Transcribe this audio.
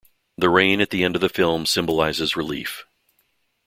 The rain at the end of the film symbolizes relief.